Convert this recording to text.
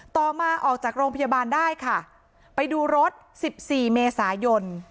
ต่อมาออกจากโรงพยาบาลได้ค่ะไปดูรถสิบสี่เมษายน